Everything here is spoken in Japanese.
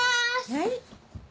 はい。